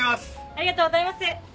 ありがとうございます。